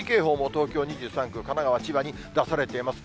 東京２３区、神奈川、千葉に出されています。